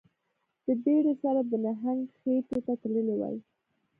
د بیړۍ سره د نهنګ خیټې ته تللی وای